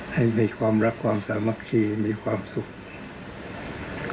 ให้มีความรักความสามัคคีมีความสุข